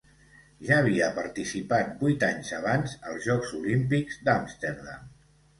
Ja havia participat vuit anys abans als Jocs Olímpics d'Amsterdam.